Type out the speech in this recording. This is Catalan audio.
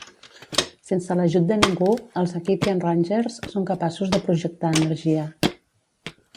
Sense l'ajut de ningú, els Aquitian Rangers són capaços de projectar energia.